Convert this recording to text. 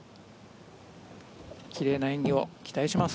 奇麗な演技を期待します。